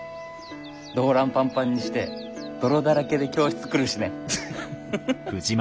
胴乱パンパンにして泥だらけで教室来るしね。